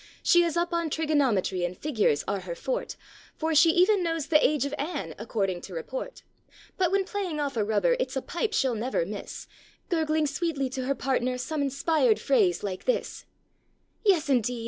She is up on trigonometry, and fig ures arc her forte. For she even knows the age of Ann, according to report; But when playing off a rubber, it's a pipe sheŌĆÖll never miss Gurgling sweetly to her partner some inspired phrase like this: 44 Yes, indeed!